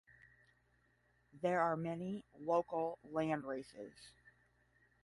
There are many local landraces.